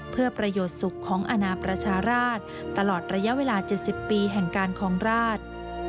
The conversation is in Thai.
เพื่อประโยชน์สุขของอนาประชาราชตลอดระยะเวลา๗๐ปีแห่งการครองราช